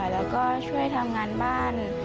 แล้วก็ช่วยทำงานบ้าน